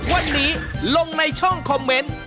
วันนี้ลงในช่องคอมเมนต์